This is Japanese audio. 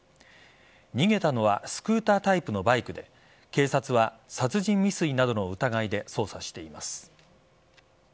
逃げたのはスクータータイプのバイクで警察は殺人未遂などの疑いで捜査しています。